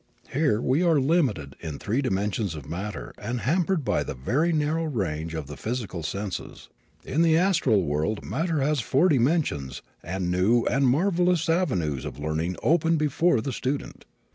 Here we are limited in three dimensions of matter and hampered by the very narrow range of the physical senses. In the astral world matter has four dimensions and new and marvelous avenues of learning open before the student.